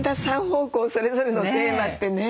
３方向それぞれのテーマってね。